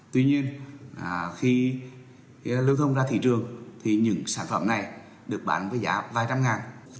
tuy nhiên khi lưu thông ra thị trường thì những sản phẩm này được bán với giá vài trăm ngàn